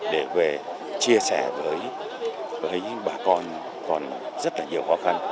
để về chia sẻ với bà con còn rất là nhiều